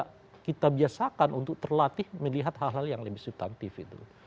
karena memang tidak kita biasakan untuk terlatih melihat hal hal yang lebih sustantif itu